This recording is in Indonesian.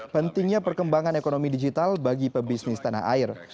pentingnya perkembangan ekonomi digital bagi pebisnis tanah air